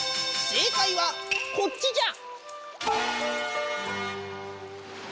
正解はこっちじゃ。